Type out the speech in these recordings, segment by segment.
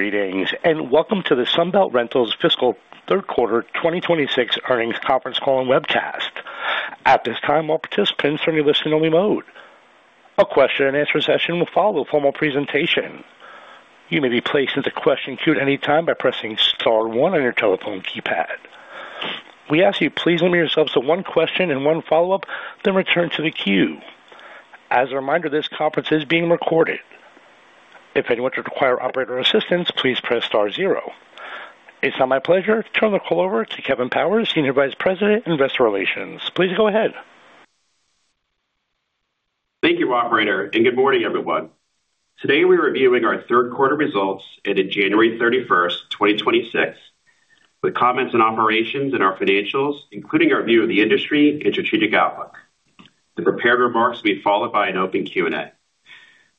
Greetings, and welcome to the Sunbelt Rentals Fiscal Third Quarter 2026 Earnings Conference Call and Webcast. At this time, all participants are in a listen-only mode. A question-and-answer session will follow the formal presentation. You may be placed in the question queue at any time by pressing star one on your telephone keypad. We ask you please limit yourselves to one question and one follow-up, then return to the queue. As a reminder, this conference is being recorded. If anyone should require operator assistance, please press star zero. It's now my pleasure to turn the call over to Kevin Powers, Senior Vice President, Investor Relations. Please go ahead. Thank you, operator, and good morning, everyone. Today, we're reviewing our third quarter results ended January 31st, 2026, with comments on operations and our financials, including our view of the industry and strategic outlook. The prepared remarks will be followed by an open Q&A.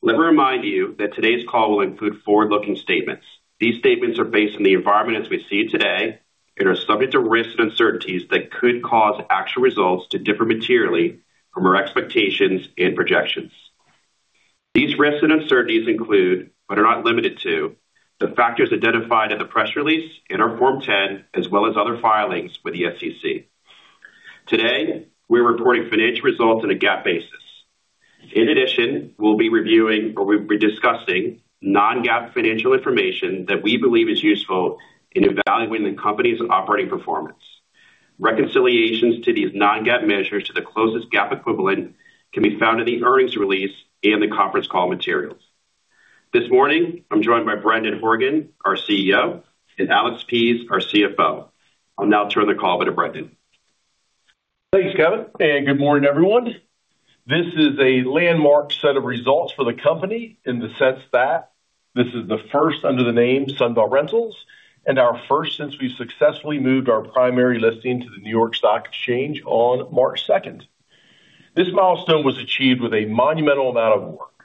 Let me remind you that today's call will include forward-looking statements. These statements are based on the environment as we see it today and are subject to risks and uncertainties that could cause actual results to differ materially from our expectations and projections. These risks and uncertainties include, but are not limited to, the factors identified in the press release and our Form 10-K, as well as other filings with the SEC. Today, we're reporting financial results on a GAAP basis. In addition, we'll be reviewing or we'll be discussing non-GAAP financial information that we believe is useful in evaluating the company's operating performance. Reconciliations to these non-GAAP measures to the closest GAAP equivalent can be found in the earnings release and the conference call materials. This morning, I'm joined by Brendan Horgan, our CEO, and Alex Pease, our CFO. I'll now turn the call over to Brendan. Thanks, Kevin, and good morning, everyone. This is a landmark set of results for the company in the sense that this is the first under the name Sunbelt Rentals and our first since we've successfully moved our primary listing to the New York Stock Exchange on March 2nd. This milestone was achieved with a monumental amount of work,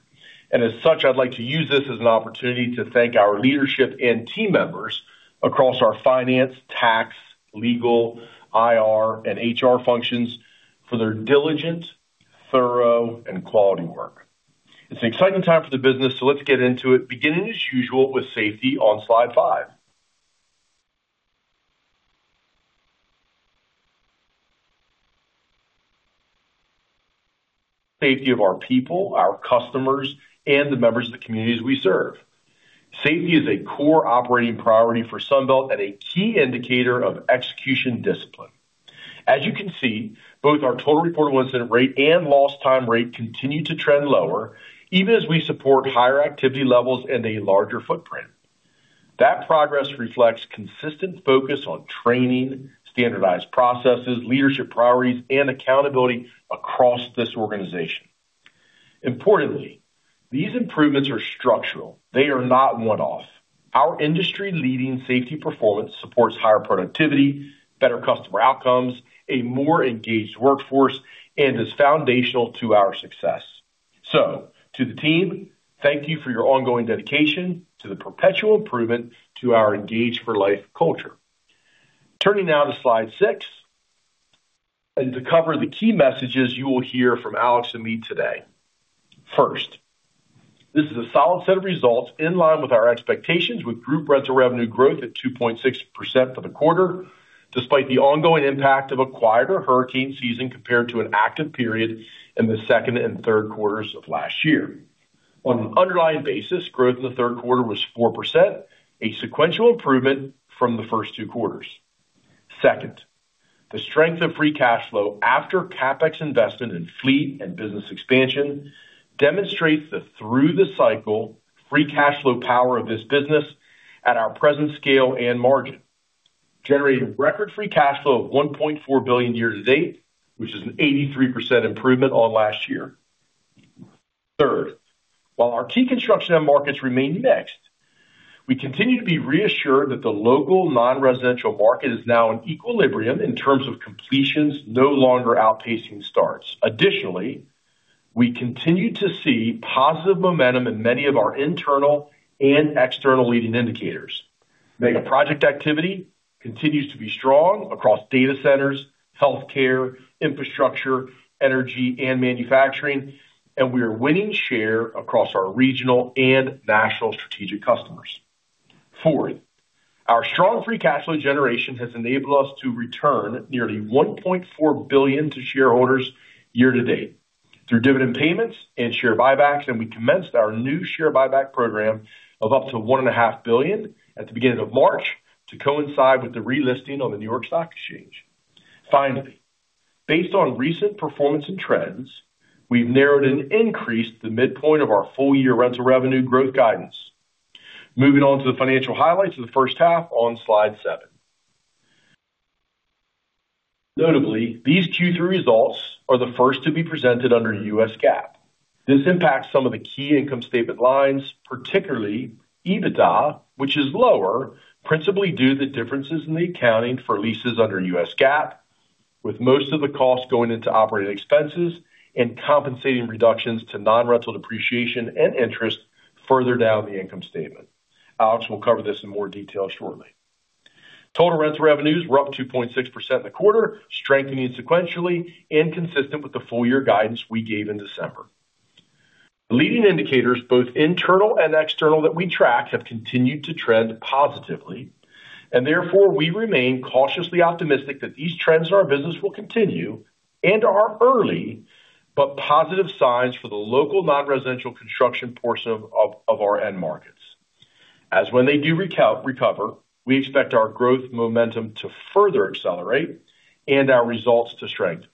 and as such, I'd like to use this as an opportunity to thank our leadership and team members across our finance, tax, legal, IR, and HR functions for their diligent, thorough, and quality work. It's an exciting time for the business, so let's get into it, beginning as usual with safety on slide five. Safety of our people, our customers, and the members of the communities we serve. Safety is a core operating priority for Sunbelt and a key indicator of execution discipline. As you can see, both our Total Recordable Incident Rate and Lost Time Incident Rate continue to trend lower, even as we support higher activity levels and a larger footprint. That progress reflects consistent focus on training, standardized processes, leadership priorities, and accountability across this organization. Importantly, these improvements are structural. They are not one-off. Our industry-leading safety performance supports higher productivity, better customer outcomes, a more engaged workforce, and is foundational to our success. To the team, thank you for your ongoing dedication to the perpetual improvement to our Engage for Life culture. Turning now to slide six, and to cover the key messages you will hear from Alex and me today. First, this is a solid set of results in line with our expectations, with group rental revenue growth at 2.6% for the quarter, despite the ongoing impact of a quieter hurricane season compared to an active period in the second and third quarters of last year. On an underlying basis, growth in the third quarter was 4%, a sequential improvement from the first two quarters. Second, the strength of free cash flow after CapEx investment in fleet and business expansion demonstrates the through the cycle free cash flow power of this business at our present scale and margin. Generated record free cash flow of $1.4 billion year to date, which is an 83% improvement on last year. Third, while our key construction end markets remain mixed, we continue to be reassured that the local non-residential market is now in equilibrium in terms of completions no longer outpacing starts. Additionally, we continue to see positive momentum in many of our internal and external leading indicators. Megaproject activity continues to be strong across data centers, healthcare, infrastructure, energy, and manufacturing, and we are winning share across our regional and national strategic customers. Fourth, our strong free cash flow generation has enabled us to return nearly $1.4 billion to shareholders year to date through dividend payments and share buybacks. We commenced our new share buyback program of up to $1.5 billion at the beginning of March to coincide with the relisting on the New York Stock Exchange. Finally, based on recent performance and trends, we've narrowed and increased the midpoint of our full-year rental revenue growth guidance. Moving on to the financial highlights of the first half on slide seven. Notably, these Q3 results are the first to be presented under U.S. GAAP. This impacts some of the key income statement lines, particularly EBITDA, which is lower principally due to differences in the accounting for leases under U.S. GAAP, with most of the costs going into operating expenses and compensating reductions to non-rental depreciation and interest further down the income statement. Alex will cover this in more detail shortly. Total rents revenues were up 2.6% in the quarter, strengthening sequentially and consistent with the full year guidance we gave in December. Leading indicators, both internal and external that we track, have continued to trend positively, and therefore we remain cautiously optimistic that these trends in our business will continue and are early but positive signs for the local non-residential construction portion of our end markets. As when they do recover, we expect our growth momentum to further accelerate and our results to strengthen.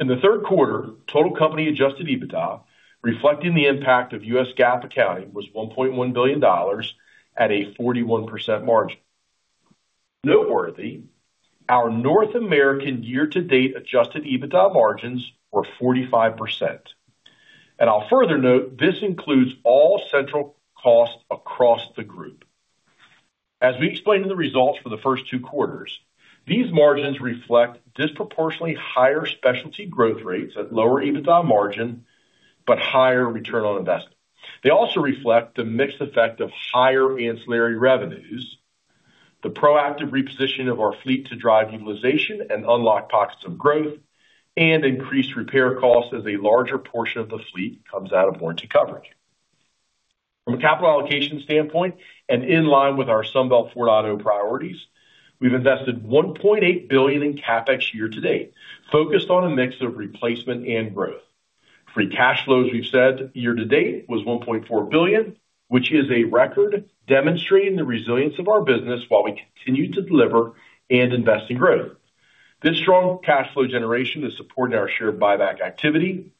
In the third quarter, total company Adjusted EBITDA, reflecting the impact of U.S. GAAP accounting, was $1.1 billion at a 41% margin. Noteworthy, our North American year-to-date Adjusted EBITDA margins were 45%. I'll further note, this includes all central costs across the group. As we explained in the results for the first two quarters, these margins reflect disproportionately higher Specialty growth rates at lower EBITDA margin, but higher return on investment. They also reflect the mixed effect of higher ancillary revenues, the proactive reposition of our fleet to drive utilization and unlock pockets of growth and increased repair costs as a larger portion of the fleet comes out of warranty coverage. From a capital allocation standpoint and in line with our Sunbelt 4.0 priorities, we've invested $1.8 billion in CapEx year to date, focused on a mix of replacement and growth. Free cash flows we've said year to date was $1.4 billion, which is a record demonstrating the resilience of our business while we continue to deliver and invest in growth. This strong cash flow generation is supporting our share buyback activity.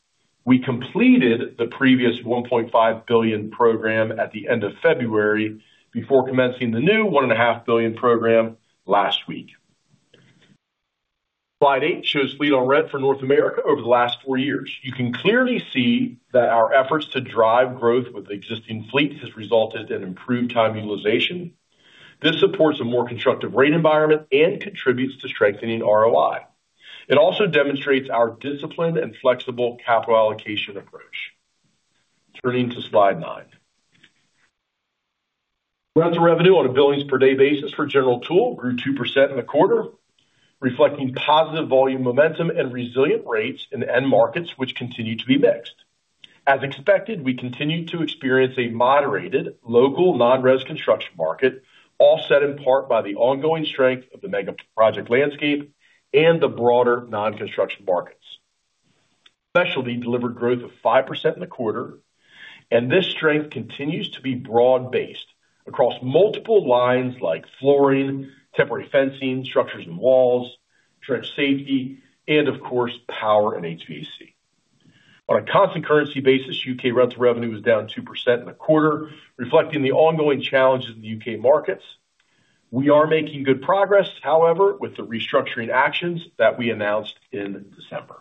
We completed the previous $1.5 billion program at the end of February before commencing the new $1.5 billion program last week. Slide eight shows fleet on rent for North America over the last four years. You can clearly see that our efforts to drive growth with existing fleets has resulted in improved time utilization. This supports a more constructive rate environment and contributes to strengthening ROI. It also demonstrates our disciplined and flexible capital allocation approach. Turning to slide nine. Rental revenue on a billings per day basis for General Tool grew 2% in the quarter, reflecting positive volume momentum and resilient rates in the end markets, which continue to be mixed. As expected, we continued to experience a moderated local non-res construction market, offset in part by the ongoing strength of the mega project landscape and the broader non-construction markets. Specialty delivered growth of 5% in the quarter, and this strength continues to be broad-based across multiple lines like flooring, temporary fencing, structures and walls, trench safety, and of course, power and HVAC. On a constant currency basis, U.K. rents revenue was down 2% in the quarter, reflecting the ongoing challenges in the U.K. markets. We are making good progress, however, with the restructuring actions that we announced in December.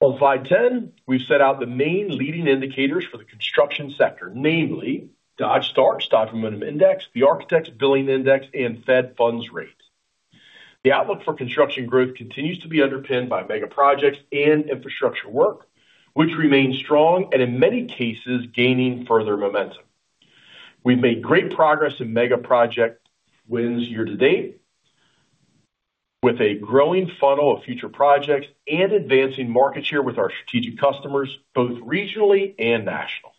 On slide 10, we've set out the main leading indicators for the construction sector, namely Dodge Starts, Dodge Momentum Index, the Architecture Billings Index and Federal Funds Rate. The outlook for construction growth continues to be underpinned by mega projects and infrastructure work, which remains strong and in many cases, gaining further momentum. We've made great progress in mega project wins year to date with a growing funnel of future projects and advancing market share with our strategic customers, both regionally and nationally.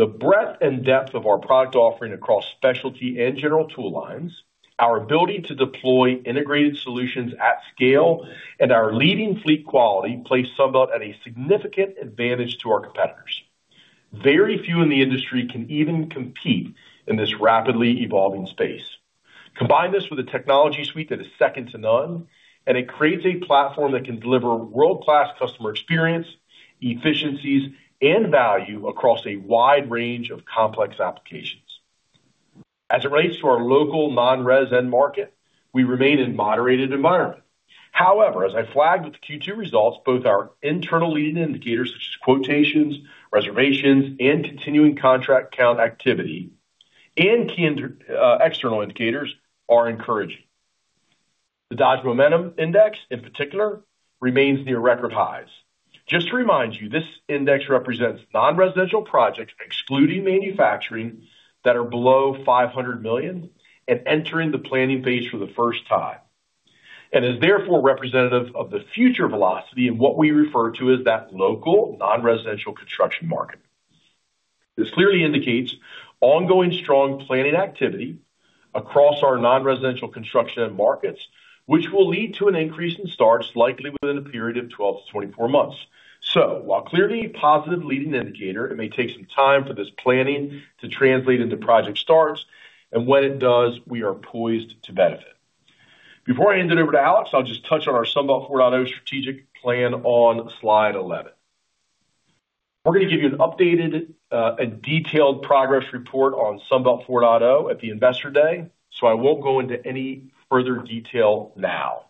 The breadth and depth of our product offering across Specialty and General Tool lines, our ability to deploy integrated solutions at scale, and our leading fleet quality place Sunbelt at a significant advantage to our competitors. Very few in the industry can even compete in this rapidly evolving space. Combine this with a technology suite that is second to none, and it creates a platform that can deliver world-class customer experience, efficiencies, and value across a wide range of complex applications. As it relates to our local non-res end market, we remain in moderate environment. However, as I flagged with the Q2 results, both our internal leading indicators, such as quotations, reservations, and continuing contract count activity and key external indicators are encouraging. The Dodge Momentum Index, in particular, remains near record highs. Just to remind you, this index represents non-residential projects, excluding manufacturing that are below 500 million and entering the planning phase for the first time, and is therefore representative of the future velocity in what we refer to as that local non-residential construction market. This clearly indicates ongoing strong planning activity across our non-residential construction end markets, which will lead to an increase in starts likely within a period of 12-24 months. While clearly a positive leading indicator, it may take some time for this planning to translate into project starts, and when it does, we are poised to benefit. Before I hand it over to Alex, I'll just touch on our Sunbelt 4.0 strategic plan on slide 11. We're gonna give you an updated, a detailed progress report on Sunbelt 4.0 at the Investor Day, so I won't go into any further detail now.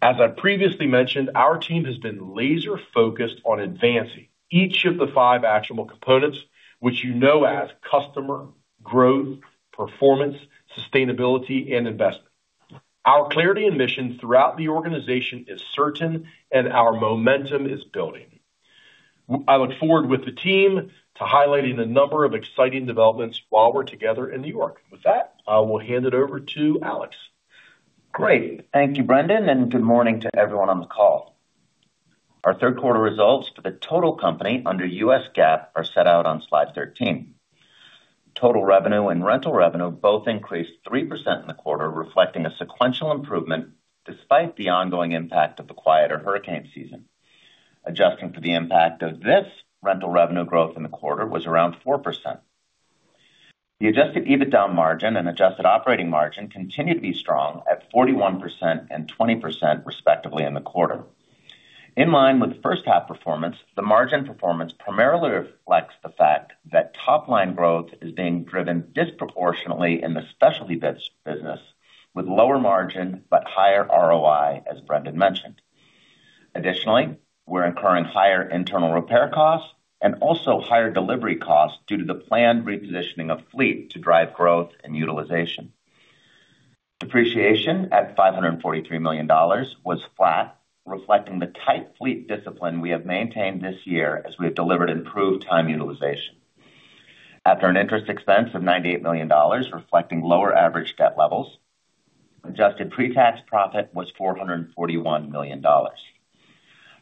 As I previously mentioned, our team has been laser-focused on advancing each of the five actionable components, which you know as customer, growth, performance, sustainability, and investment. Our clarity and mission throughout the organization is certain and our momentum is building. I look forward with the team to highlighting the number of exciting developments while we're together in New York. With that, I will hand it over to Alex. Great. Thank you, Brendan, and good morning to everyone on the call. Our third quarter results for the total company under U.S. GAAP are set out on slide 13. Total revenue and rental revenue both increased 3% in the quarter, reflecting a sequential improvement despite the ongoing impact of the quieter hurricane season. Adjusting for the impact of this rental revenue growth in the quarter was around 4%. The adjusted EBITDA margin and adjusted operating margin continued to be strong at 41% and 20% respectively in the quarter. In line with first half performance, the margin performance primarily reflects the fact that top line growth is being driven disproportionately in the Specialty business with lower margin but higher ROI, as Brendan mentioned. Additionally, we're incurring higher internal repair costs and also higher delivery costs due to the planned repositioning of fleet to drive growth and utilization. Depreciation at $543 million was flat, reflecting the tight fleet discipline we have maintained this year as we have delivered improved time utilization. After an interest expense of $98 million, reflecting lower average debt levels, adjusted pretax profit was $441 million.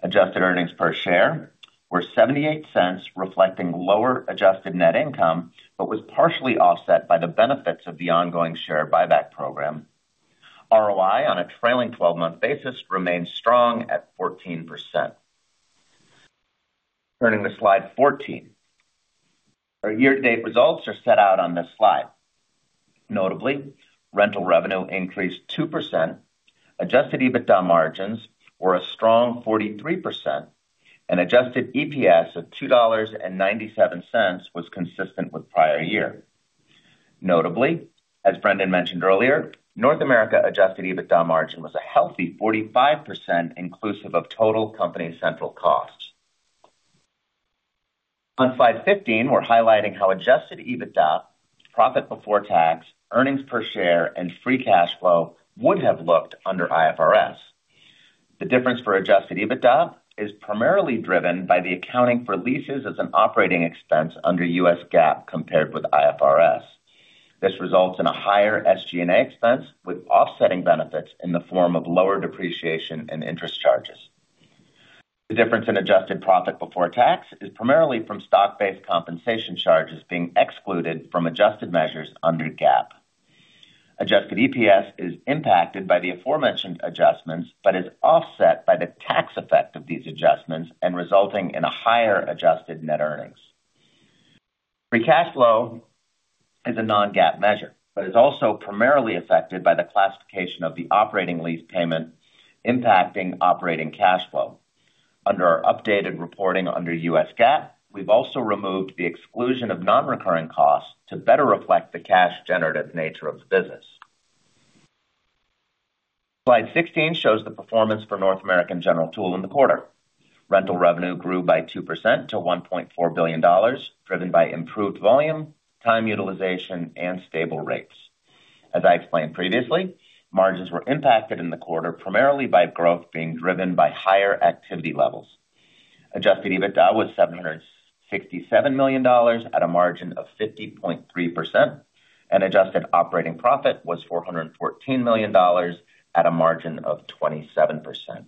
Adjusted earnings per share were $0.78, reflecting lower adjusted net income, but was partially offset by the benefits of the ongoing share buyback program. ROI on a trailing twelve-month basis remains strong at 14%. Turning to slide 14. Our year-to-date results are set out on this slide. Notably, rental revenue increased 2%. Adjusted EBITDA margins were a strong 43%, and Adjusted EPS of $2.97 was consistent with prior year. Notably, as Brendan mentioned earlier, North America Adjusted EBITDA margin was a healthy 45% inclusive of total company central costs. On slide 15, we're highlighting how Adjusted EBITDA, profit before tax, earnings per share, and free cash flow would have looked under IFRS. The difference for Adjusted EBITDA is primarily driven by the accounting for leases as an operating expense under U.S. GAAP compared with IFRS. This results in a higher SG&A expense with offsetting benefits in the form of lower depreciation and interest charges. The difference in adjusted profit before tax is primarily from stock-based compensation charges being excluded from adjusted measures under GAAP. Adjusted EPS is impacted by the aforementioned adjustments, but is offset by the tax effect of these adjustments and resulting in a higher adjusted net earnings. Free cash flow is a non-GAAP measure, but is also primarily affected by the classification of the operating lease payment impacting operating cash flow. Under our updated reporting under U.S. GAAP, we've also removed the exclusion of non-recurring costs to better reflect the cash generative nature of the business. Slide 16 shows the performance for North American General Tool in the quarter. Rental revenue grew by 2% to $1.4 billion, driven by improved volume, time utilization, and stable rates. As I explained previously, margins were impacted in the quarter, primarily by growth being driven by higher activity levels. Adjusted EBITDA was $767 million at a margin of 50.3%, and adjusted operating profit was $414 million at a margin of 27%.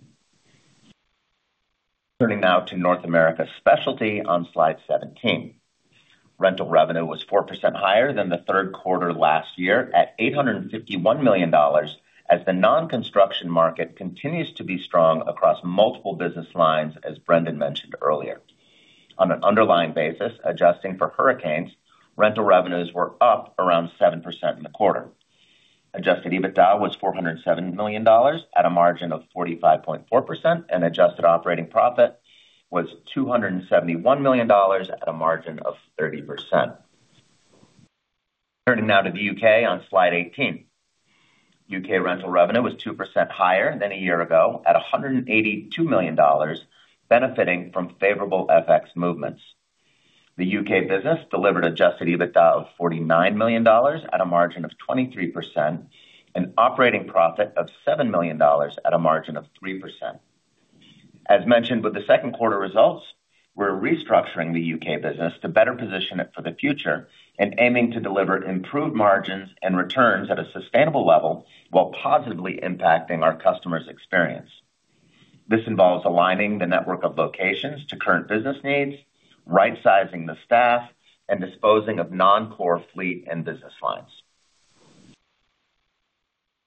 Turning now to North America Specialty on slide 17. Rental revenue was 4% higher than the third quarter last year at $851 million as the non-construction market continues to be strong across multiple business lines, as Brendan mentioned earlier. On an underlying basis, adjusting for hurricanes, rental revenues were up around 7% in the quarter. Adjusted EBITDA was $407 million at a margin of 45.4%, and adjusted operating profit was $271 million at a margin of 30%. Turning now to the U.K. on slide 18. U.K. rental revenue was 2% higher than a year ago at $182 million, benefiting from favorable FX movements. The U.K. business delivered Adjusted EBITDA of $49 million at a margin of 23% and operating profit of $7 million at a margin of 3%. As mentioned with the second quarter results, we're restructuring the U.K. business to better position it for the future and aiming to deliver improved margins and returns at a sustainable level while positively impacting our customers' experience. This involves aligning the network of locations to current business needs, rightsizing the staff, and disposing of non-core fleet and business lines.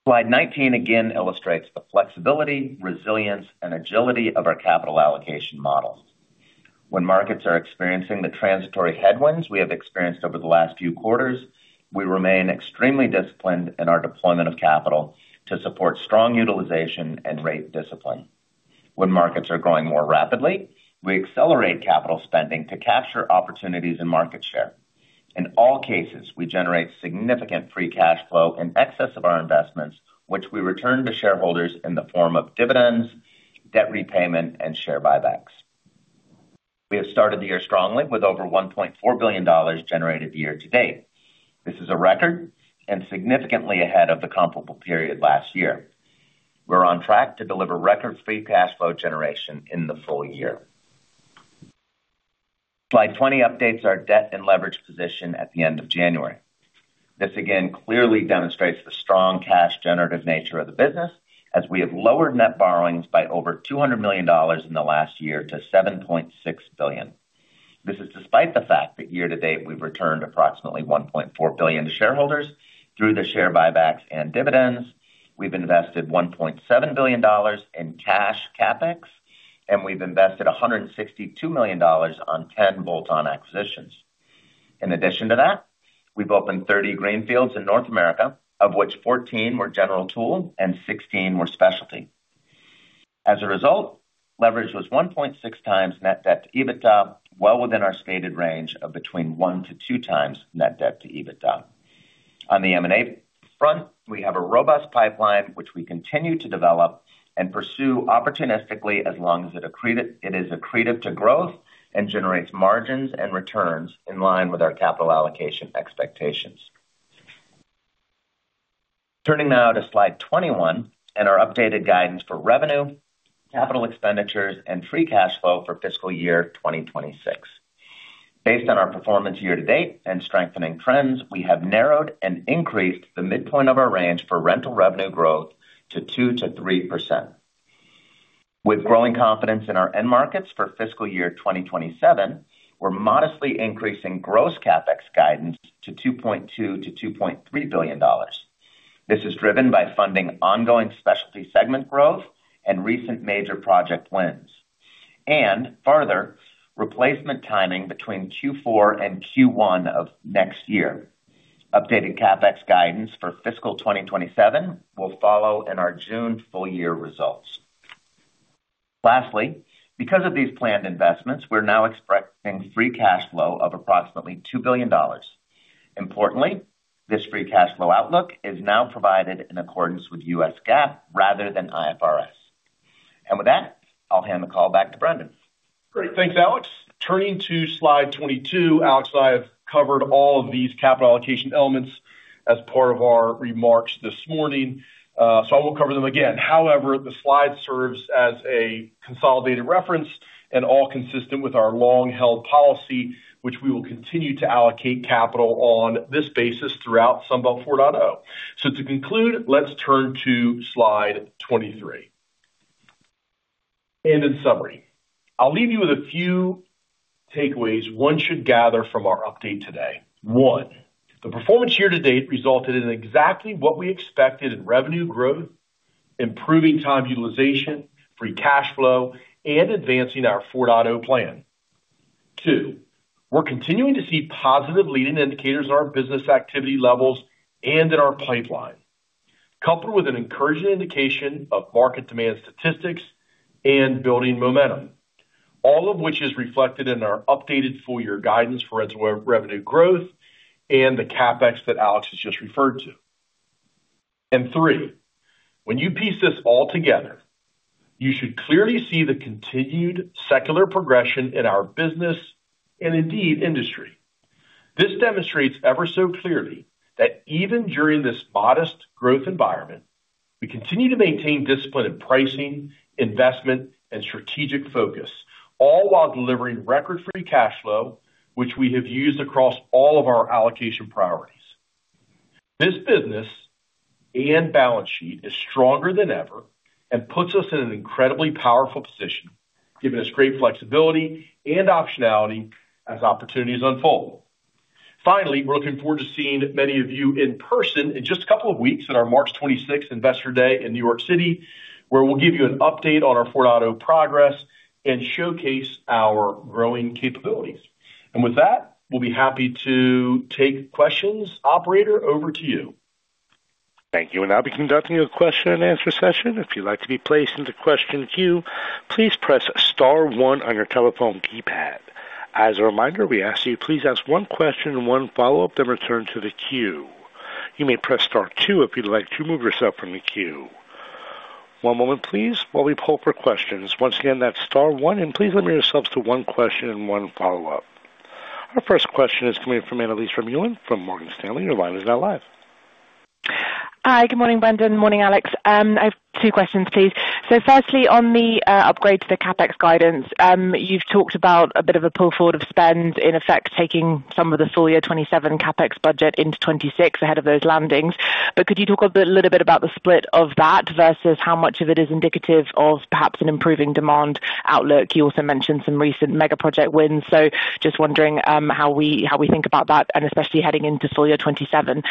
Slide 19 again illustrates the flexibility, resilience, and agility of our capital allocation model. When markets are experiencing the transitory headwinds we have experienced over the last few quarters, we remain extremely disciplined in our deployment of capital to support strong utilization and rate discipline. When markets are growing more rapidly, we accelerate capital spending to capture opportunities in market share. In all cases, we generate significant free cash flow in excess of our investments, which we return to shareholders in the form of dividends, debt repayment, and share buybacks. We have started the year strongly with over $1.4 billion generated year-to-date. This is a record and significantly ahead of the comparable period last year. We're on track to deliver record free cash flow generation in the full year. Slide 20 updates our debt and leverage position at the end of January. This again clearly demonstrates the strong cash generative nature of the business as we have lowered net borrowings by over $200 million in the last year to $7.6 billion. This is despite the fact that year-to-date, we've returned approximately $1.4 billion to shareholders through the share buybacks and dividends. We've invested $1.7 billion in cash CapEx, and we've invested $162 million on 10 bolt-on acquisitions. In addition to that, we've opened 30 greenfields in North America, of which 14 were General Tool and 16 were Specialty. As a result, leverage was 1.6x net debt-to-EBITDA, well within our stated range of between 1 to 2x net debt-to-EBITDA. On the M&A front, we have a robust pipeline which we continue to develop and pursue opportunistically as long as it is accretive to growth and generates margins and returns in line with our capital allocation expectations. Turning now to slide 21 and our updated guidance for revenue, capital expenditures, and free cash flow for fiscal year 2026. Based on our performance year-to-date and strengthening trends, we have narrowed and increased the midpoint of our range for rental revenue growth to 2%-3%. With growing confidence in our end markets for fiscal year 2027, we're modestly increasing gross CapEx guidance to $2.2 billion-$2.3 billion. This is driven by funding ongoing Specialty segment growth and recent major project wins. Further, replacement timing between Q4 and Q1 of next year. Updated CapEx guidance for fiscal 2027 will follow in our June full-year results. Lastly, because of these planned investments, we're now expecting free cash flow of approximately $2 billion. Importantly, this free cash flow outlook is now provided in accordance with U.S. GAAP rather than IFRS. With that, I'll hand the call back to Brendan. Great. Thanks, Alex. Turning to slide 22, Alex and I have covered all of these capital allocation elements as part of our remarks this morning, so I won't cover them again. However, the slide serves as a consolidated reference and all consistent with our long-held policy, which we will continue to allocate capital on this basis throughout Sunbelt 4.0. To conclude, let's turn to slide 23. In summary, I'll leave you with a few takeaways one should gather from our update today. One, the performance year-to-date resulted in exactly what we expected in revenue growth, improving time utilization, free cash flow, and advancing our 4.0 plan. Two, we're continuing to see positive leading indicators in our business activity levels and in our pipeline, coupled with an encouraging indication of market demand statistics and building momentum, all of which is reflected in our updated full-year guidance for our revenue growth and the CapEx that Alex has just referred to. Three, when you piece this all together, you should clearly see the continued secular progression in our business and indeed industry. This demonstrates ever so clearly that even during this modest growth environment, we continue to maintain discipline in pricing, investment, and strategic focus, all while delivering record free cash flow, which we have used across all of our allocation priorities. This business and balance sheet is stronger than ever and puts us in an incredibly powerful position, giving us great flexibility and optionality as opportunities unfold. Finally, we're looking forward to seeing many of you in person in just a couple of weeks at our March 26th Investor Day in New York City, where we'll give you an update on our 4.0 progress and showcase our growing capabilities. With that, we'll be happy to take questions. Operator, over to you. Thank you. We'll now be conducting a question-and-answer session. If you'd like to be placed into question queue, please press star one on your telephone keypad. As a reminder, we ask that you please ask one question and one follow-up, then return to the queue. You may press star two if you'd like to remove yourself from the queue. One moment please while we pull for questions. Once again, that's star one, and please limit yourselves to one question and one follow-up. Our first question is coming from Annelies Vermeulen from Morgan Stanley. Your line is now live. Hi. Good morning, Brendan. Morning, Alex. I have two questions, please. Firstly, on the upgrade to the CapEx guidance, you've talked about a bit of a pull forward of spend, in effect, taking some of the full year 2027 CapEx budget into 2026 ahead of those landings. Could you talk a bit, little bit about the split of that versus how much of it is indicative of perhaps an improving demand outlook? You also mentioned some recent mega project wins. Just wondering how we think about that and especially heading into full year 2027.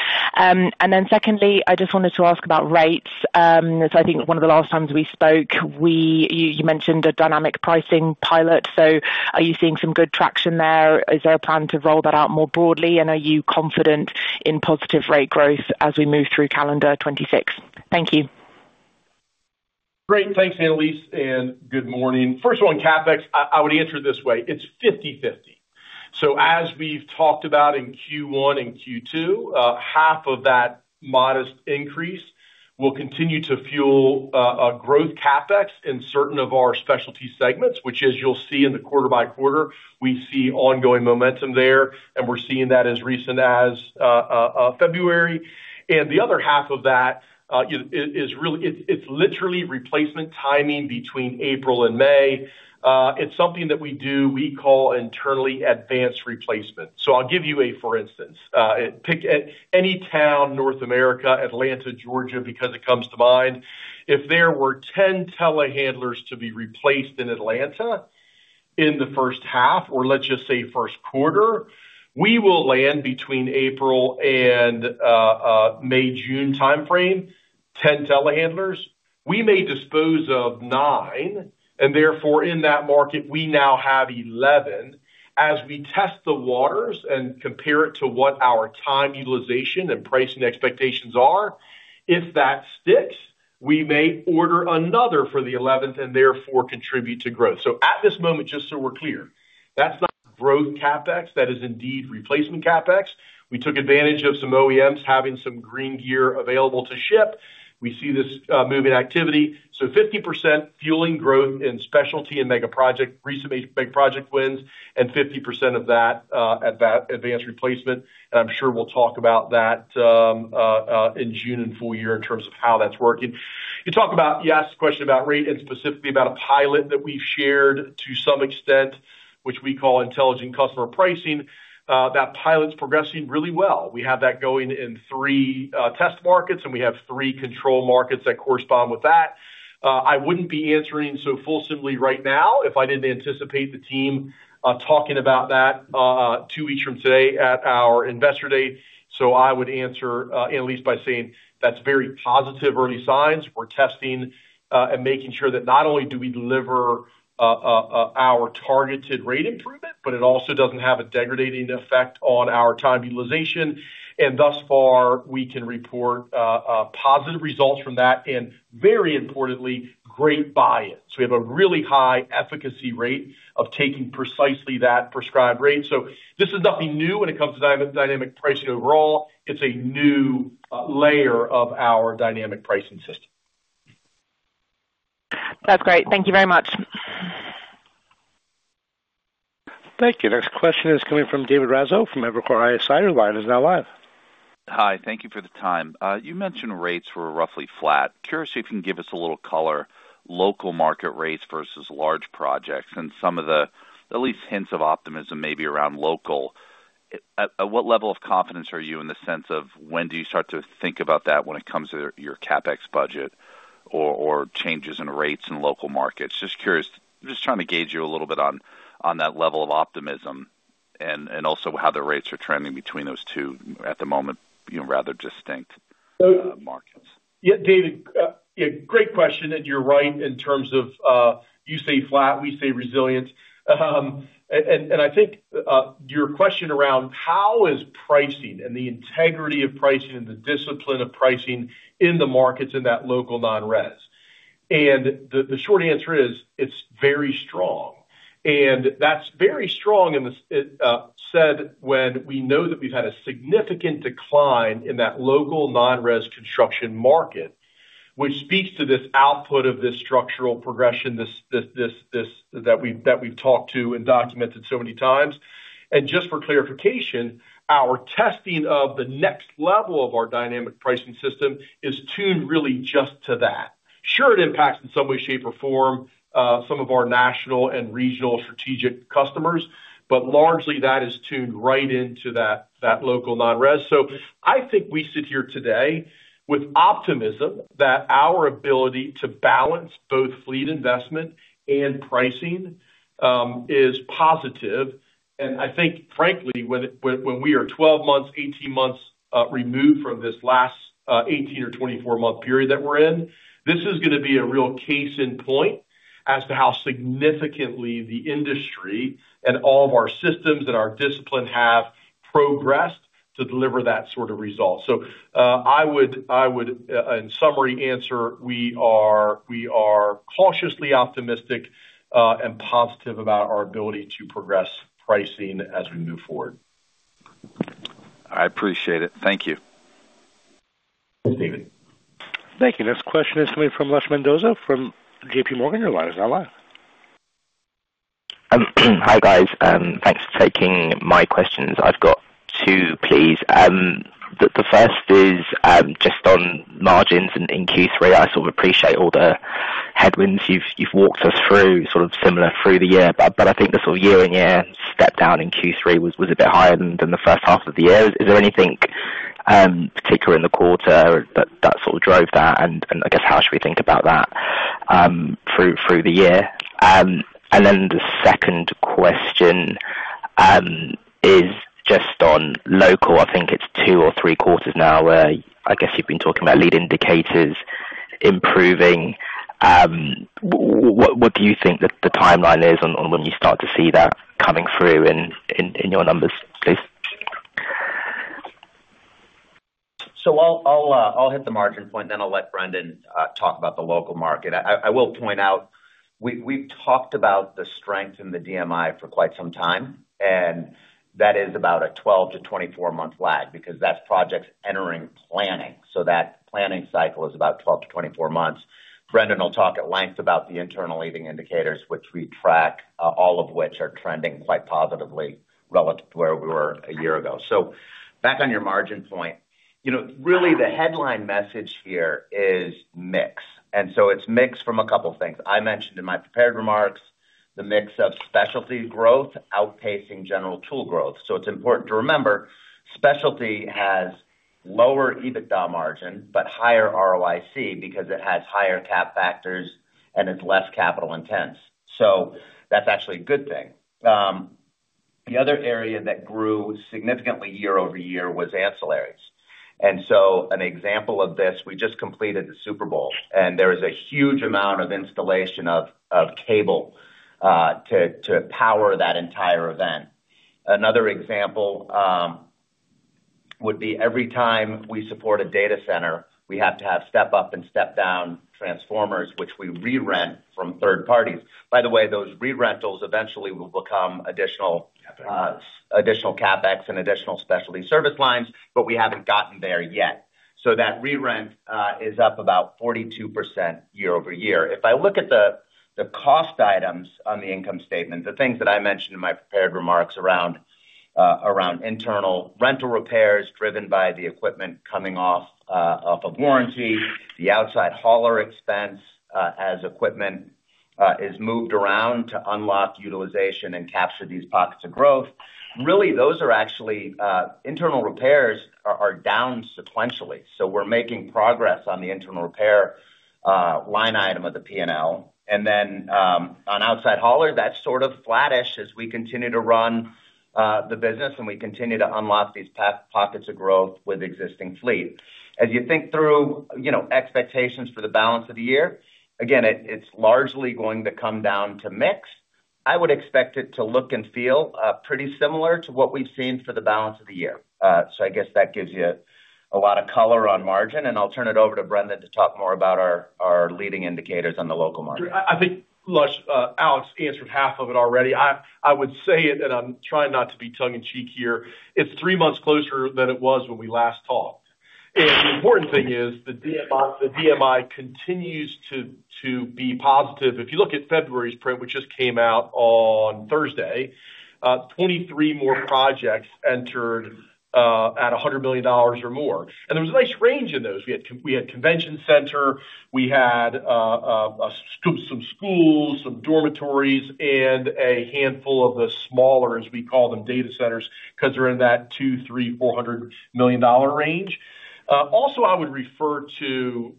Secondly, I just wanted to ask about rates. I think one of the last times we spoke, you mentioned a dynamic pricing pilot. Are you seeing some good traction there? Is there a plan to roll that out more broadly? Are you confident in positive rate growth as we move through calendar 2026? Thank you. Great. Thanks, Annelies, and good morning. First of all, on CapEx, I would answer it this way. It's 50/50. As we've talked about in Q1 and Q2, half of that modest increase will continue to fuel a growth CapEx in certain of our Specialty segments, which as you'll see in the quarter-by-quarter, we see ongoing momentum there, and we're seeing that as recent as February. The other half of that is really. It's literally replacement timing between April and May. It's something that we do, we call internally advanced replacement. I'll give you a for instance. Pick any town, North America, Atlanta, Georgia, because it comes to mind. If there were 10 telehandlers to be replaced in Atlanta in the first half, or let's just say first quarter, we will land between April and May-June timeframe, 10 telehandlers. We may dispose of nine, and therefore, in that market, we now have 11. As we test the waters and compare it to what our time utilization and pricing expectations are, if that sticks, we may order another for the 11th and therefore contribute to growth. At this moment, just so we're clear, that's not growth CapEx. That is indeed replacement CapEx. We took advantage of some OEMs having some green gear available to ship. We see this moving activity. Fifty percent fueling growth in Specialty and mega project, recent big project wins, and 50% of that at that advanced replacement. I'm sure we'll talk about that in June and full year in terms of how that's working. You asked a question about rate and specifically about a pilot that we've shared to some extent, which we call intelligent customer pricing. That pilot's progressing really well. We have that going in three test markets, and we have three control markets that correspond with that. I wouldn't be answering so fully simply right now if I didn't anticipate the team talking about that two weeks from today at our Investor Day. I would answer at least by saying that's very positive early signs. We're testing and making sure that not only do we deliver our targeted rate improvement, but it also doesn't have a degrading effect on our time utilization. Thus far, we can report positive results from that and very importantly, great buy-ins. We have a really high efficacy rate of taking precisely that prescribed rate. This is nothing new when it comes to dynamic pricing overall. It's a new layer of our dynamic pricing system. That's great. Thank you very much. Thank you. Next question is coming from David Raso from Evercore ISI. Your line is now live. Hi. Thank you for the time. You mentioned rates were roughly flat. Curious if you can give us a little color, local market rates versus large projects and some of the at least hints of optimism maybe around local. At what level of confidence are you in the sense of when do you start to think about that when it comes to your CapEx budget or changes in rates in local markets? Just curious. I'm just trying to gauge you a little bit on that level of optimism and also how the rates are trending between those two at the moment, rather distinct markets. Yeah, David, great question. You're right in terms of, you say flat, we say resilience. I think your question around how is pricing and the integrity of pricing and the discipline of pricing in the markets in that local non-res. The short answer is it's very strong. That's very strong especially when we know that we've had a significant decline in that local non-res construction market, which speaks to this output of this structural progression, that we've talked to and documented so many times. Just for clarification, our testing of the next level of our dynamic pricing system is tuned really just to that. Sure, it impacts in some way, shape, or form some of our national and regional strategic customers, but largely that is tuned right into that local non-res. I think we sit here today with optimism that our ability to balance both fleet investment and pricing is positive. I think, frankly, when we are 12 months, 18 months removed from this last 18 or 24 month period that we're in, this is gonna be a real case in point as to how significantly the industry and all of our systems and our discipline have progressed to deliver that sort of result. I would in summary answer, we are cautiously optimistic and positive about our ability to progress pricing as we move forward. I appreciate it. Thank you. Thanks, David. Thank you. Next question is coming from Lush Mahendrarajah from J.P. Morgan. Your line is now live. Hi, guys. Thanks for taking my questions. I've got two, please. The first is just on margins in Q3. I sort of appreciate all the headwinds you've walked us through, sort of similar through the year. I think the year-on-year step-down in Q3 was a bit higher than the first half of the year. Is there anything particular in the quarter that sort of drove that? I guess how should we think about that through the year? The second question is just on local. I think it's two or three quarters now where I guess you've been talking about leading indicators improving. What do you think the timeline is on when you start to see that coming through in your numbers, please? I'll hit the margin point, then I'll let Brendan talk about the local market. I will point out we've talked about the strength in the DMI for quite some time, and that is about a 12-24 month lag because that's projects entering planning. That planning cycle is about 12-24 months. Brendan will talk at length about the internal leading indicators which we track, all of which are trending quite positively relative to where we were a year ago. Back on your margin point, you know, really the headline message here is mix. It's mix from a couple things. I mentioned in my prepared remarks the mix of specialty growth outpacing General Tool growth. It's important to remember Specialty has lower EBITDA margin, but higher ROIC because it has higher cap factors and it's less capital intensive. That's actually a good thing. The other area that grew significantly year-over-year was ancillaries. An example of this, we just completed the Super Bowl, and there is a huge amount of installation of cable to power that entire event. Another example would be every time we support a data center, we have to have step up and step down transformers, which we re-rent from third parties. By the way, those re-rentals eventually will become additional CapEx and additional specialty service lines, but we haven't gotten there yet. That re-rent is up about 42% year-over-year. If I look at the cost items on the income statement, the things that I mentioned in my prepared remarks around internal rental repairs driven by the equipment coming off of warranty, the outside hauler expense as equipment is moved around to unlock utilization and capture these pockets of growth. Really, those are actually internal repairs are down sequentially, so we're making progress on the internal repair line item of the P&L. On outside hauler, that's sort of flattish as we continue to run the business, and we continue to unlock these pockets of growth with existing fleet. As you think through, you know, expectations for the balance of the year, again, it's largely going to come down to mix. I would expect it to look and feel pretty similar to what we've seen for the balance of the year. I guess that gives you a lot of color on margin, and I'll turn it over to Brendan to talk more about our leading indicators on the local market. I think, Lush, Alex answered half of it already. I would say it, and I'm trying not to be tongue in cheek here, it's three months closer than it was when we last talked. The important thing is the DMI continues to be positive. If you look at February's print, which just came out on Thursday, 23 more projects entered at $100 million or more. There was a nice range in those. We had convention center, we had some schools, some dormitories, and a handful of the smaller, as we call them, data centers, 'cause they're in that $200, $300, $400 million range. Also, I would refer to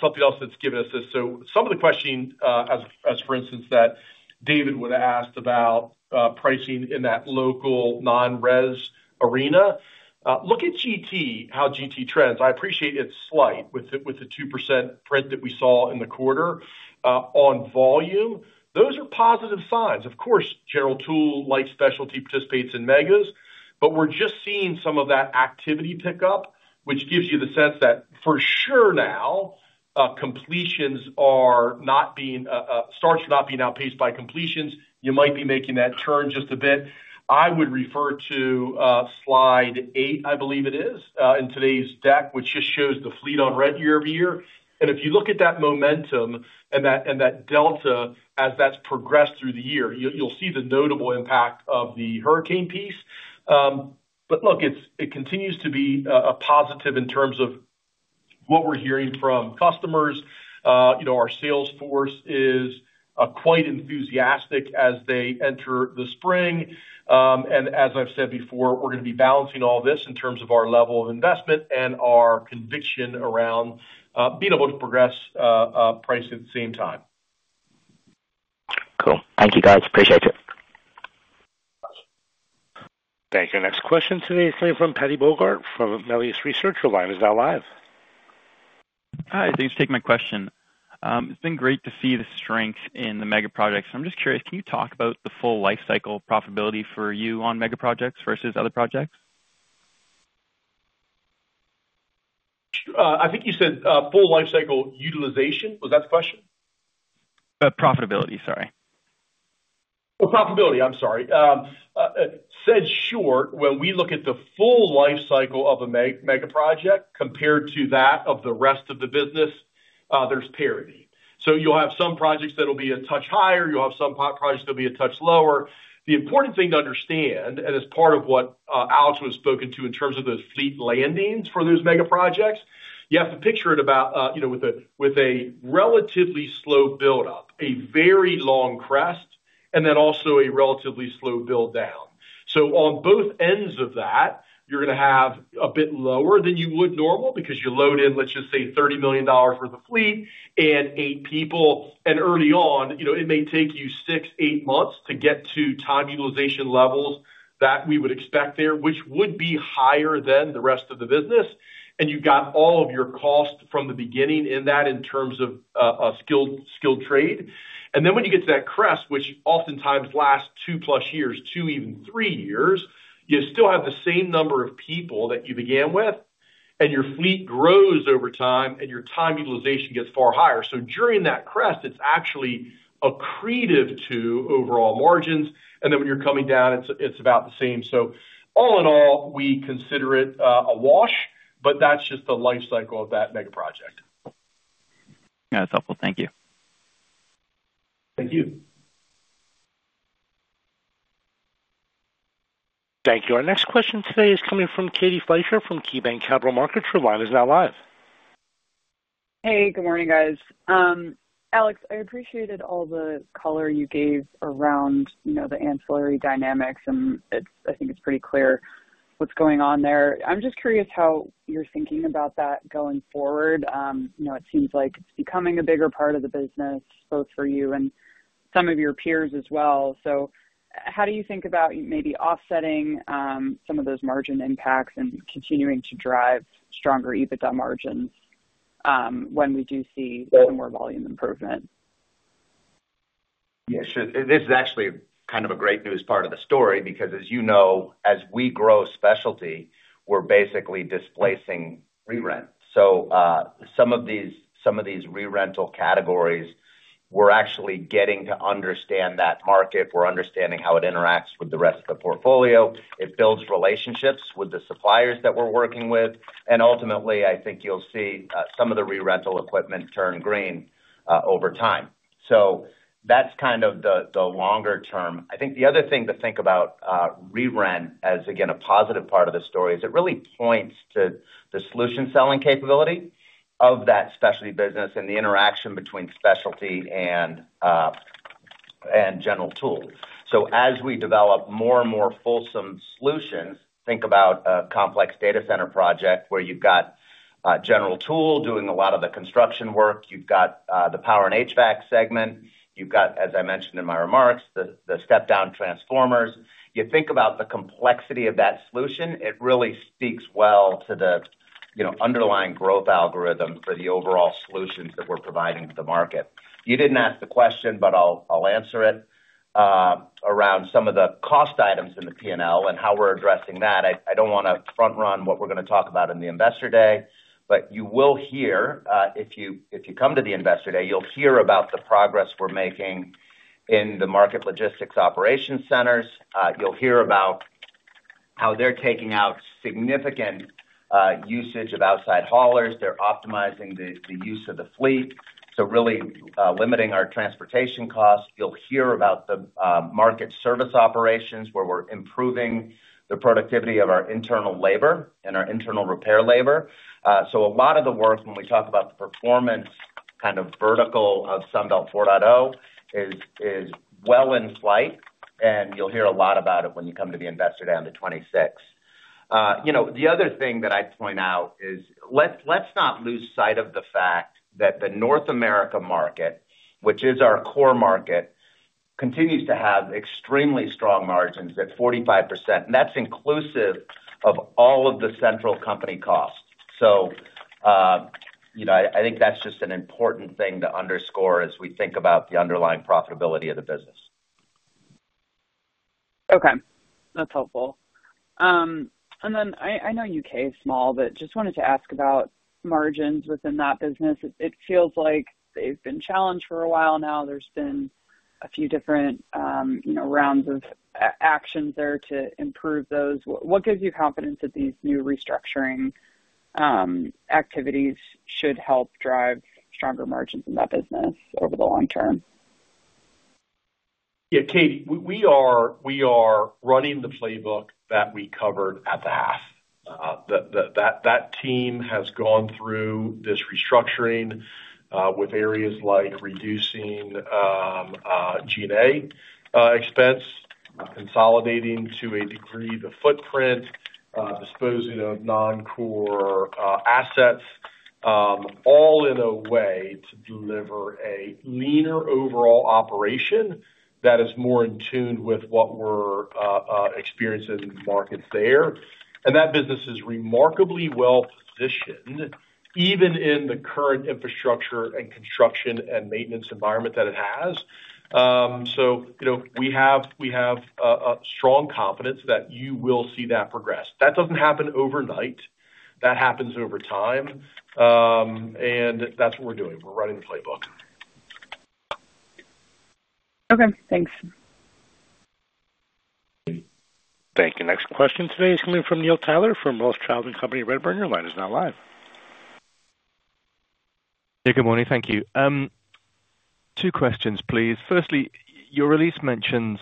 something else that's given us this. Some of the questions, as for instance, that David would ask about pricing in that local non-res arena. Look at GT, how GT trends. I appreciate it's slight with the 2% print that we saw in the quarter on volume. Those are positive signs. Of course, General Tool, light Specialty participates in megas. But we're just seeing some of that activity pick up, which gives you the sense that for sure now, starts are not being outpaced by completions. You might be making that turn just a bit. I would refer to slide eight, I believe it is, in today's deck, which just shows the fleet on rent year-over-year. If you look at that momentum and that delta as that's progressed through the year, you'll see the notable impact of the hurricane piece. Look, it continues to be a positive in terms of what we're hearing from customers. You know, our sales force is quite enthusiastic as they enter the spring. As I've said before, we're gonna be balancing all this in terms of our level of investment and our conviction around being able to progress price at the same time. Cool. Thank you, guys. Appreciate it. Thank you. Next question today is coming from Paddy Bogart from Melius Research. Your line is now live. Hi, thanks for taking my question. It's been great to see the strength in the mega projects. I'm just curious, can you talk about the full lifecycle profitability for you on mega projects versus other projects? I think you said, full lifecycle utilization. Was that the question? Profitability, sorry. Oh, profitability, I'm sorry. In short, when we look at the full lifecycle of a mega project compared to that of the rest of the business, there's parity. You'll have some projects that'll be a touch higher, you'll have some projects that'll be a touch lower. The important thing to understand, and as part of what Alex has spoken to in terms of those fleet loadings for those mega projects, you have to picture it about, you know, with a relatively slow buildup. A very long crest, and then also a relatively slow build down. On both ends of that, you're gonna have a bit lower than you would normally because you load in, let's just say, $30 million worth of fleet and eight people. Early on, you know, it may take you six, eight months to get to time utilization levels that we would expect there, which would be higher than the rest of the business. You've got all of your costs from the beginning in that in terms of a skilled trade. Then when you get to that crest, which oftentimes lasts two-plus years, two, even three years, you still have the same number of people that you began with. Your fleet grows over time, and your time utilization gets far higher. During that crest, it's actually accretive to overall margins. Then when you're coming down, it's about the same. All in all, we consider it a wash, but that's just the life cycle of that mega project. That's helpful. Thank you. Thank you. Thank you. Our next question today is coming from Katie Fleischer from KeyBanc Capital Markets. Your line is now live. Hey, good morning, guys. Alex, I appreciated all the color you gave around, you know, the ancillary dynamics, and it's I think it's pretty clear what's going on there. I'm just curious how you're thinking about that going forward. You know, it seems like it's becoming a bigger part of the business, both for you and some of your peers as well. How do you think about maybe offsetting some of those margin impacts and continuing to drive stronger EBITDA margins when we do see some more volume improvement? Yeah. This is actually kind of a great news part of the story because as you know, as we grow Specialty, we're basically displacing re-rent. Some of these re-rental categories, we're actually getting to understand that market. We're understanding how it interacts with the rest of the portfolio. It builds relationships with the suppliers that we're working with. And ultimately, I think you'll see, some of the re-rental equipment turn green, over time. That's kind of the longer term. I think the other thing to think about, re-rent as, again, a positive part of the story is it really points to the solution selling capability of that Specialty business and the interaction between Specialty and General Tool. As we develop more and more fulsome solutions, think about a complex data center project where you've got a General Tool doing a lot of the construction work. You've got the power and HVAC segment. You've got, as I mentioned in my remarks, the step-down transformers. You think about the complexity of that solution, it really speaks well to the, you know, underlying growth algorithm for the overall solutions that we're providing to the market. You didn't ask the question, but I'll answer it around some of the cost items in the P&L and how we're addressing that. I don't wanna front run what we're gonna talk about in the Investor Day, but you will hear, if you come to the Investor Day, you'll hear about the progress we're making in the market logistics operation centers. You'll hear about how they're taking out significant usage of outside haulers. They're optimizing the use of the fleet, so really limiting our transportation costs. You'll hear about the Market Service Operations, where we're improving the productivity of our internal labor and our internal repair labor. So a lot of the work when we talk about the performance kind of vertical of Sunbelt 4.0 is well in flight, and you'll hear a lot about it when you come to the Investor Day on the 26th. You know, the other thing that I'd point out is let's not lose sight of the fact that the North America market, which is our core market, continues to have extremely strong margins at 45%. That's inclusive of all of the central company costs. You know, I think that's just an important thing to underscore as we think about the underlying profitability of the business. Okay. That's helpful. I know U.K. is small, but just wanted to ask about margins within that business. It feels like they've been challenged for a while now. There's been a few different rounds of actions there to improve those. What gives you confidence that these new restructuring activities should help drive stronger margins in that business over the long term? Yeah, Katie, we are running the playbook that we covered at the half. That team has gone through this restructuring with areas like reducing G&A expense, consolidating to a degree the footprint, disposing of non-core assets, all in a way to deliver a leaner overall operation that is more in tune with what we're experiencing in the markets there. That business is remarkably well-positioned even in the current infrastructure and construction and maintenance environment that it has. So, you know, we have a strong confidence that you will see that progress. That doesn't happen overnight. That happens over time. That's what we're doing. We're running the playbook. Okay, thanks. Thank you. Next question today is coming from Neil Tyler from Rothschild & Co Redburn. Your line is now live. Yeah, good morning. Thank you. Two questions, please. Firstly, your release mentions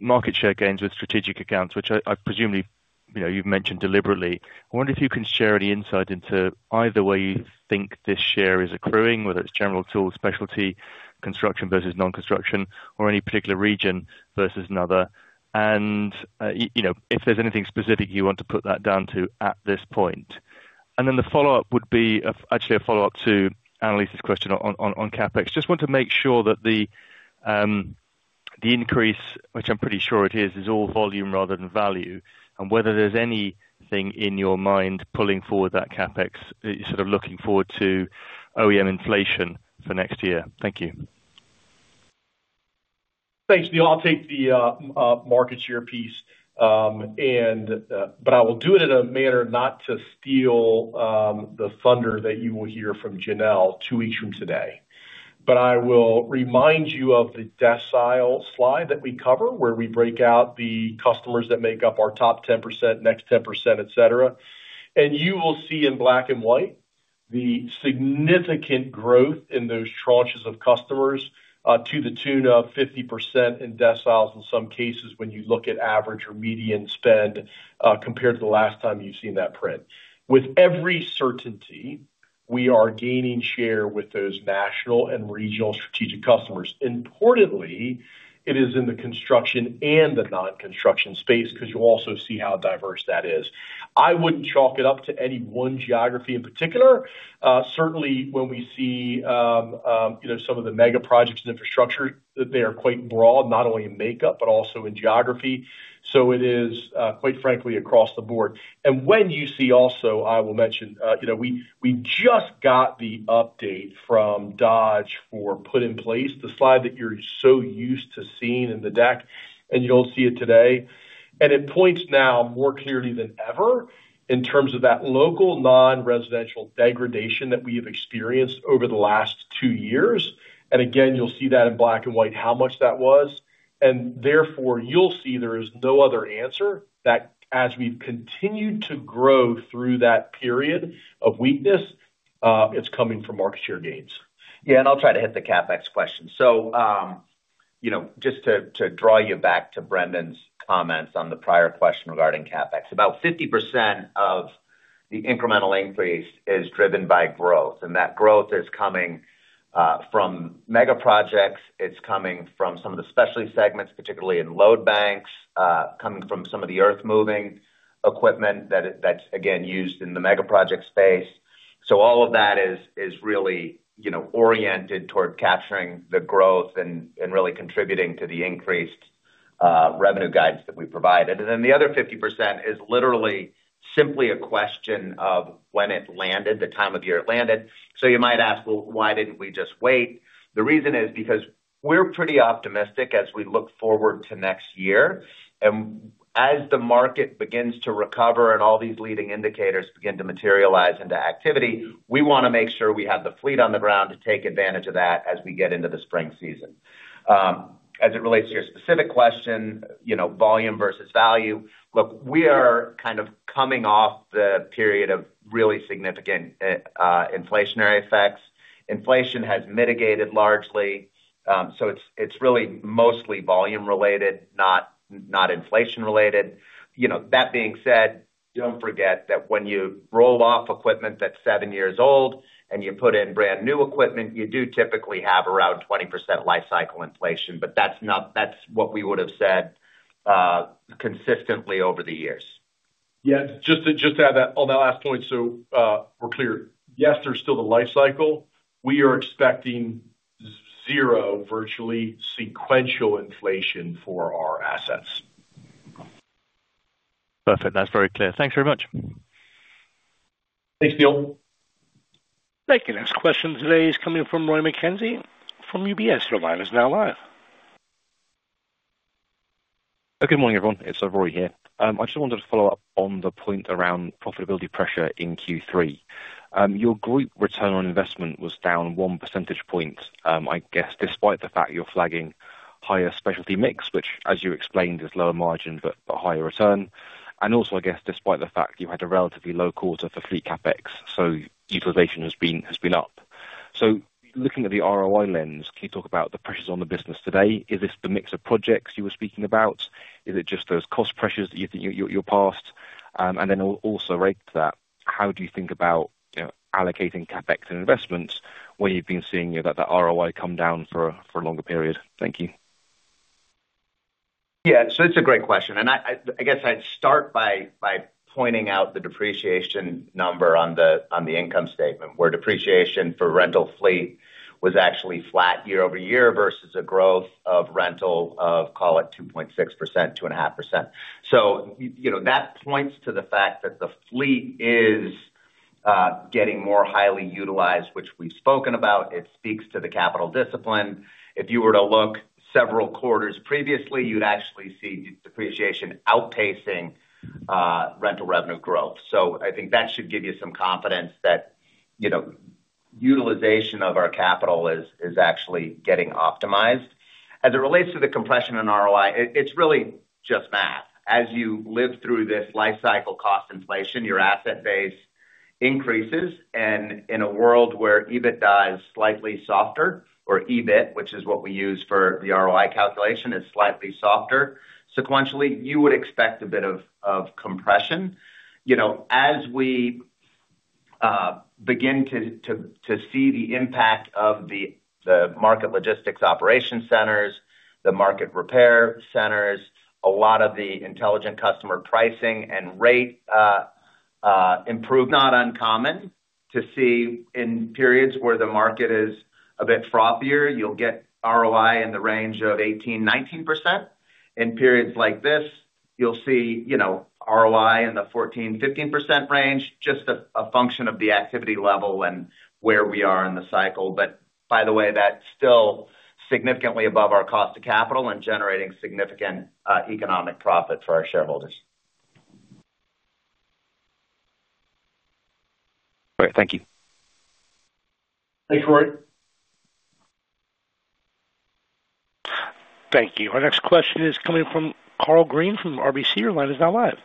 market share gains with strategic accounts, which I presumably, you know, you've mentioned deliberately. I wonder if you can share any insight into either way you think this share is accruing, whether it's General Tool, Specialty construction versus non-construction or any particular region versus another. You know, if there's anything specific you want to put that down to at this point. Actually a follow-up to Annelies's question on CapEx. Just want to make sure that the increase, which I'm pretty sure it is all volume rather than value, and whether there's anything in your mind pulling forward that CapEx, sort of looking forward to OEM inflation for next year. Thank you. Thanks, Neil. I'll take the market share piece, and but I will do it in a manner not to steal the thunder that you will hear from Janelle two weeks from today. I will remind you of the decile slide that we cover, where we break out the customers that make up our top 10%, next 10%, et cetera. You will see in black and white the significant growth in those tranches of customers to the tune of 50% in deciles in some cases, when you look at average or median spend compared to the last time you've seen that print. With every certainty, we are gaining share with those national and regional strategic customers. Importantly, it is in the construction and the non-construction space, 'cause you'll also see how diverse that is. I wouldn't chalk it up to any one geography in particular. Certainly when we see, you know, some of the mega projects and infrastructure, they are quite broad, not only in makeup, but also in geography. It is, quite frankly, across the board. When you see also, I will mention, you know, we just got the update from Dodge for construction put in place, the slide that you're so used to seeing in the deck, and you'll see it today. It points now more clearly than ever in terms of that local non-residential degradation that we have experienced over the last two years. Again, you'll see that in black and white, how much that was. Therefore, you'll see there is no other answer that as we've continued to grow through that period of weakness, it's coming from market share gains. Yeah, I'll try to hit the CapEx question. You know, just to draw you back to Brendan's comments on the prior question regarding CapEx. About 50% of the incremental increase is driven by growth. That growth is coming from mega projects. It's coming from some of the Specialty segments, particularly in load banks, coming from some of the earthmoving equipment that's again used in the mega project space. All of that is really you know, oriented toward capturing the growth and really contributing to the increased revenue guidance that we provided. Then the other 50% is literally simply a question of when it landed, the time of year it landed. You might ask, "Well, why didn't we just wait?" The reason is because we're pretty optimistic as we look forward to next year. As the market begins to recover and all these leading indicators begin to materialize into activity, we wanna make sure we have the fleet on the ground to take advantage of that as we get into the spring season. As it relates to your specific question, you know, volume versus value. Look, we are kind of coming off the period of really significant inflationary effects. Inflation has mitigated largely. It's really mostly volume related, not inflation related. You know, that being said, don't forget that when you roll off equipment that's seven years old and you put in brand-new equipment, you do typically have around 20% lifecycle inflation. That's what we would've said consistently over the years. Yeah, just to add that on that last point, so we're clear. Yes, there's still the life cycle. We are expecting zero virtually sequential inflation for our assets. Perfect. That's very clear. Thanks very much. Thanks, Neil. Thank you. Next question today is coming from Rory Mckenzie from UBS. Your line is now live. Oh, good morning, everyone. It's Rory here. I just wanted to follow up on the point around profitability pressure in Q3. Your group return on investment was down 1 percentage point, I guess despite the fact you're flagging higher specialty mix, which as you explained, is lower margin, but a higher return. Also, I guess despite the fact you had a relatively low quarter for fleet CapEx, so utilization has been up. Looking at the ROI lens, can you talk about the pressures on the business today? Is this the mix of projects you were speaking about? Is it just those cost pressures that you're past? And then also related to that, how do you think about, you know, allocating CapEx and investments when you've been seeing that ROI come down for a longer period? Thank you. Yeah. It's a great question, and I guess I'd start by pointing out the depreciation number on the income statement, where depreciation for rental fleet was actually flat year-over-year versus a growth of rental of, call it 2.6%, 2.5%. You know, that points to the fact that the fleet is getting more highly utilized, which we've spoken about. It speaks to the capital discipline. If you were to look several quarters previously, you'd actually see depreciation outpacing rental revenue growth. I think that should give you some confidence that, you know, utilization of our capital is actually getting optimized. As it relates to the compression in ROI, it's really just math. As you live through this life cycle cost inflation, your asset base increases. In a world where EBITDA is slightly softer or EBIT, which is what we use for the ROI calculation, is slightly softer. Sequentially, you would expect a bit of compression. As we begin to see the impact of the market logistics operation centers, the market repair centers, a lot of the intelligent customer pricing and rate improve. Not uncommon to see in periods where the market is a bit frothier. You'll get ROI in the range of 18%-19%. In periods like this, you'll see, you know, ROI in the 14%-15% range, just a function of the activity level and where we are in the cycle. By the way, that's still significantly above our cost of capital and generating significant economic profit for our shareholders. All right. Thank you. Thanks, Rory. Thank you. Our next question is coming from Karl Green from RBC. Your line is now live.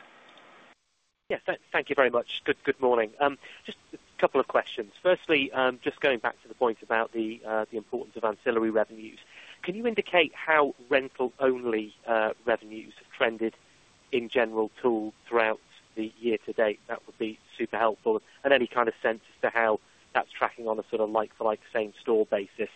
Yes. Thank you very much. Good morning. Just a couple of questions. Firstly, just going back to the point about the importance of ancillary revenues. Can you indicate how rental-only revenues trended in General Tool throughout the year to date? That would be super helpful and any kind of sense as to how that's tracking on a sort of like-for-like same store basis.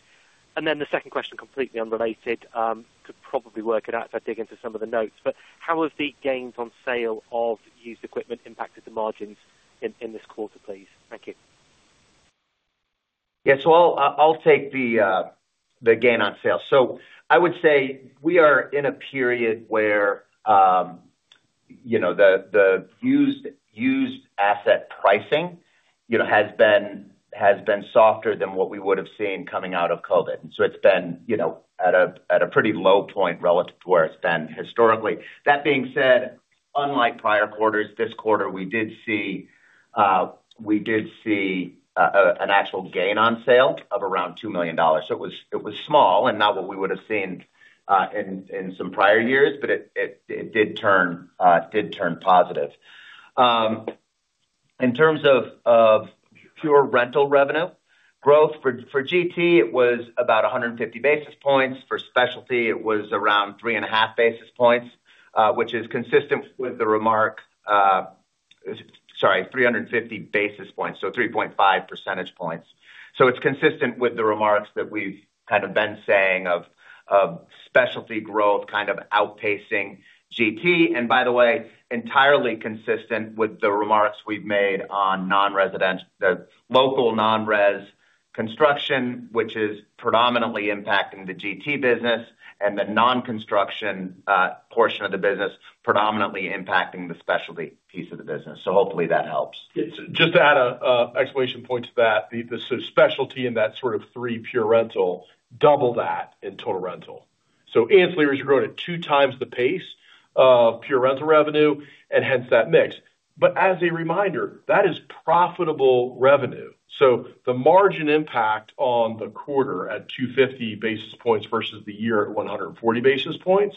Then the second question, completely unrelated, could probably work it out as I dig into some of the notes, but how has the gains on sale of used equipment impacted the margins in this quarter, please? Thank you. Yeah. I'll take the gain on sale. I would say we are in a period where, you know, the used asset pricing, you know, has been softer than what we would have seen coming out of COVID. It's been, you know, at a pretty low point relative to where it's been historically. That being said, unlike prior quarters, this quarter we did see an actual gain on sale of around $2 million. It was small and not what we would have seen in some prior years, but it did turn positive. In terms of pure rental revenue growth for GT, it was about 150 basis points. For Specialty, it was around 3.5 basis points, which is consistent with the remarks. Sorry, 350 basis points, so 3.5 percentage points. It's consistent with the remarks that we've kind of been saying of Specialty growth kind of outpacing GT. By the way, entirely consistent with the remarks we've made on non-residential, the local non-res construction, which is predominantly impacting the GT business and the non-construction portion of the business, predominantly impacting the specialty piece of the business. Hopefully that helps. Just to add an exclamation point to that, the sort of specialty in that sort of three pure rental, double that in total rental. Ancillaries are growing at two times the pace of pure rental revenue and hence that mix. As a reminder, that is profitable revenue. The margin impact on the quarter at 250 basis points versus the year at 140 basis points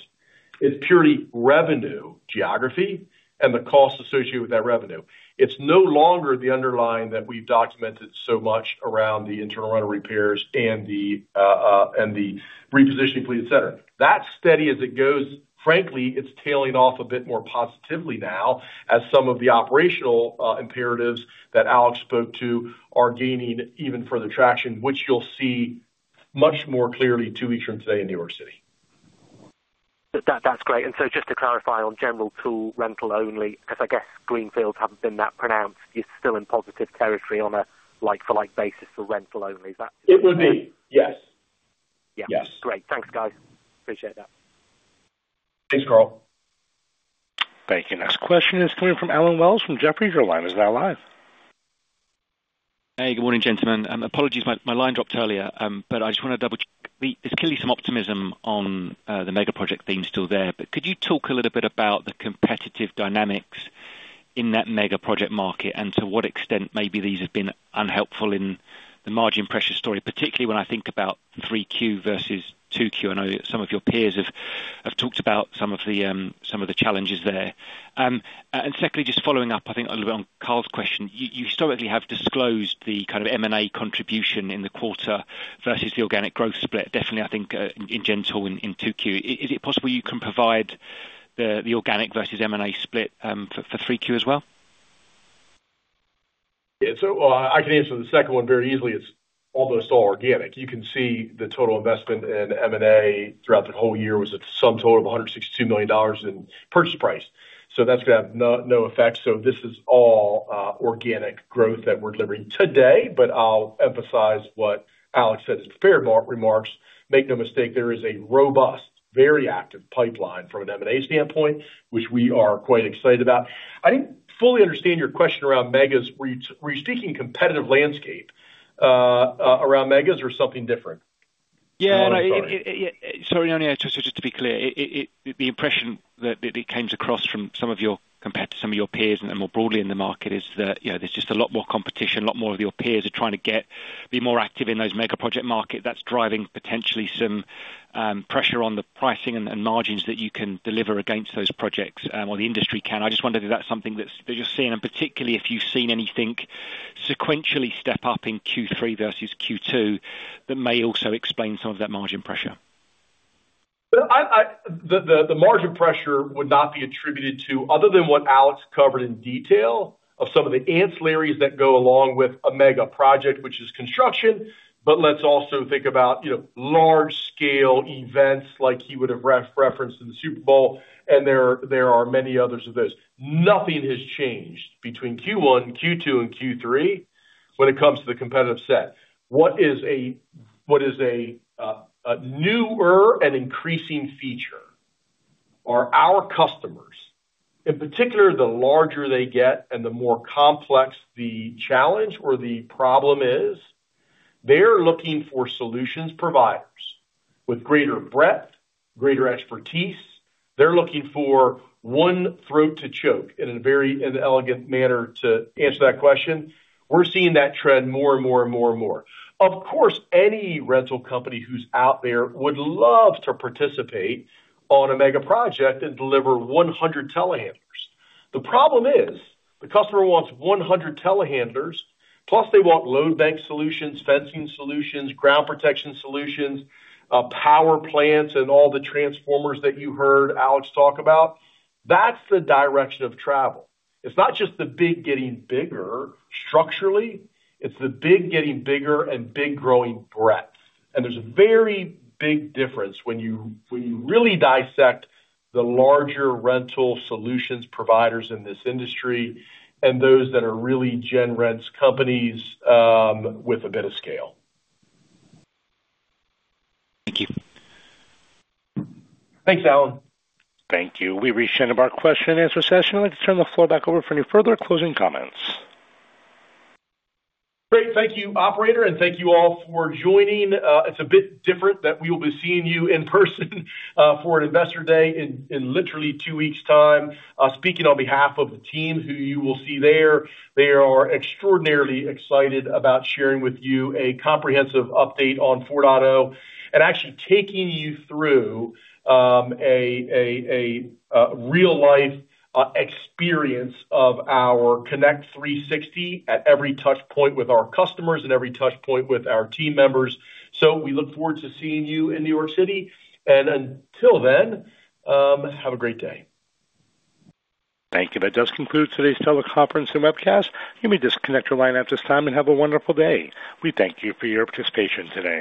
is purely revenue geography and the cost associated with that revenue. It's no longer the underlying that we've documented so much around the internal rental repairs and the repositioning fleet, et cetera. That's steady as it goes. Frankly, it's tailing off a bit more positively now as some of the operational imperatives that Alex spoke to are gaining even further traction, which you'll see much more clearly two weeks from today in New York City. That, that's great. Just to clarify on General Tool rental only, 'cause I guess greenfields haven't been that pronounced. You're still in positive territory on a like-for-like basis for rental only. Is that- It would be, yes. Yeah. Yes. Great. Thanks, guys. Appreciate that. Thanks, Karl. Thank you. Next question is coming from Allen Wells from Jefferies. Your line is now live. Hey, good morning, gentlemen. Apologies, my line dropped earlier. But I just wanna double-check. Clearly some optimism on the mega project theme still there, but could you talk a little bit about the competitive dynamics in that mega project market and to what extent maybe these have been unhelpful in the margin pressure story, particularly when I think about 3Q versus 2Q? I know some of your peers have talked about some of the challenges there. And secondly, just following up, I think a little bit on Karl's question. You historically have disclosed the kind of M&A contribution in the quarter versus the organic growth split. Definitely, I think in general in 2Q. Is it possible you can provide the organic versus M&A split for 3Q as well? I can answer the second one very easily. It's almost all organic. You can see the total investment in M&A throughout the whole year was a sum total of $162 million in purchase price. That's gonna have no effect. This is all organic growth that we're delivering today. I'll emphasize what Alex said. His prepared remarks. Make no mistake, there is a robust, very active pipeline from an M&A standpoint, which we are quite excited about. I didn't fully understand your question around M&A's. Were you speaking competitive landscape around M&A's or something different? No, sorry. Only just to be clear. The impression that it comes across from some of your peers and then more broadly in the market is that, you know, there's just a lot more competition, a lot more of your peers are trying to be more active in those mega project market that's driving potentially some pressure on the pricing and margins that you can deliver against those projects or the industry can. I just wondered if that's something that you're seeing and particularly if you've seen anything sequentially step up in Q3 versus Q2 that may also explain some of that margin pressure. The margin pressure would not be attributed to other than what Alex covered in detail of some of the ancillaries that go along with a mega project, which is construction. Let's also think about, you know, large scale events like he would have referenced in the Super Bowl, and there are many others of those. Nothing has changed between Q1, Q2, and Q3 when it comes to the competitive set. What is a. What is a newer and increasing feature are our customers, in particular, the larger they get and the more complex the challenge or the problem is, they're looking for solutions providers with greater breadth, greater expertise. They're looking for one throat to choke, in a very inelegant manner to answer that question. We're seeing that trend more and more. Of course, any rental company who's out there would love to participate on a mega project and deliver 100 telehandlers. The problem is the customer wants 100 telehandlers, plus they want load bank solutions, fencing solutions, ground protection solutions, power plants, and all the transformers that you heard Alex talk about. That's the direction of travel. It's not just the big getting bigger structurally. It's the big getting bigger and big growing breadth. There's a very big difference when you really dissect the larger rental solutions providers in this industry and those that are really gen rents companies with a bit of scale. Thank you. Thanks, Allen. Thank you. We've reached the end of our question and answer session. I'd like to turn the floor back over for any further closing comments. Great. Thank you, operator, and thank you all for joining. It's a bit different that we will be seeing you in person for an Investor Day in literally two weeks time. Speaking on behalf of the team who you will see there, they are extraordinarily excited about sharing with you a comprehensive update on Sunbelt 4.0 and actually taking you through a real-life experience of our Connect 360 at every touch point with our customers and every touch point with our team members. We look forward to seeing you in New York City. Until then, have a great day. Thank you. That does conclude today's teleconference and webcast. You may disconnect your line at this time and have a wonderful day. We thank you for your participation today.